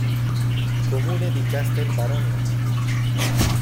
Comune di Castel Baronia